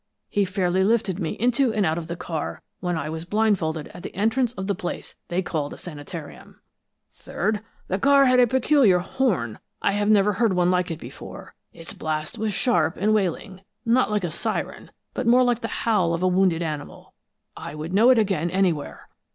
He fairly lifted me into and out of the car when I was blindfolded at the entrance of the place they called a sanitarium. Third, the car had a peculiar horn; I have never heard one like it before. Its blast was sharp and wailing, not like a siren, but more like the howl of a wounded animal. I would know it again, anywhere.